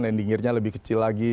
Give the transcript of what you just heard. landing gear nya lebih kecil lagi